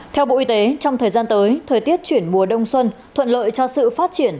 theo bộ y tế trong thời gian tới thời tiết chuyển mùa đông xuân thuận lợi cho sự phát triển